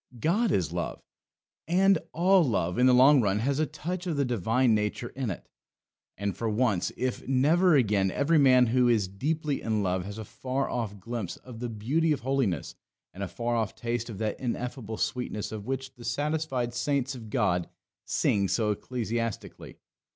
God is Love; and all love, in the long run, has a touch of the divine nature in it. And for once, if never again, every man who is deeply in love has a far off glimpse of the beauty of holiness, and a far off taste of that ineffable sweetness of which the satisfied saints of God sing so ecstatically.